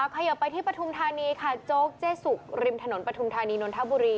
ขยับไปที่ปฐุมธานีค่ะโจ๊กเจ๊สุกริมถนนปฐุมธานีนนทบุรี